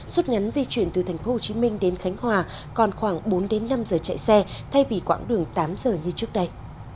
suốt ngắn di chuyển từ thành phố hồ chí minh đến khánh hòa còn khoảng bốn đến năm giờ chạy xe thay vì quãng đường tám giờ như trước đây